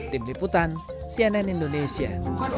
tim liputan cnn indonesia